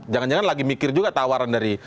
jangan jangan lagi mikir juga tawaran dari